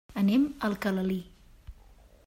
Anem a Alcalalí.